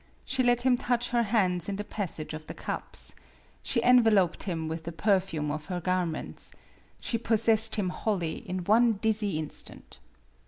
She let him touch her hands in the passage of the cups. She enveloped him with the perfume of her garments. She possessed him wholly in one dizzy instant.